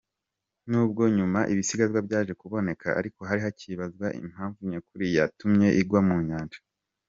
Nubwo nyuma ibisigazwa byaje kuboneka ariko hari hacyibazwa impamvu nyakuri yatumye igwa mu nyanja.